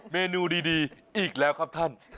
เมนูดีอีกแล้วครับท่าน